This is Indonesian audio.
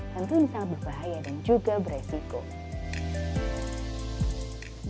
tentu ini sangat berbahaya dan juga beresiko